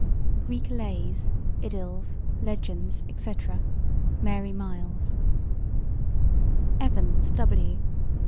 Greek Lays, Idylls, Legends, etc. Mary Myles EVANS, W.